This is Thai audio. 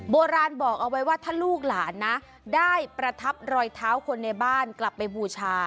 โบราณบอกเอาไว้ว่าถ้าลูกหลานนะได้ประทับรอยเท้าคนในบ้านกลับไปบูชา